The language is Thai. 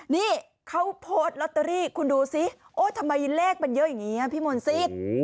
นี่เขาโพสต์ลอตเตอรี่คุณดูสิโอ๊ยทำไมเลขมันเยอะอย่างนี้พี่มนต์สิทธิ์